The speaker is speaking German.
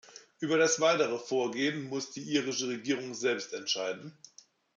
Über das weitere Vorgehen muss die irische Regierung selbst entscheiden.